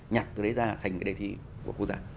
nhặt từ đấy ra thành cái đề thi của quốc gia